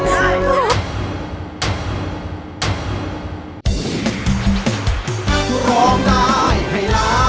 ช่างหรือดี